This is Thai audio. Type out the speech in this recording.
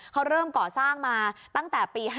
เขาเริ่มก่อสร้างมาตั้งแต่ปี๕๗